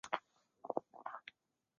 服务于沿线的市区内工厂企业。